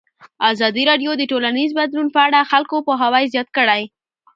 ازادي راډیو د ټولنیز بدلون په اړه د خلکو پوهاوی زیات کړی.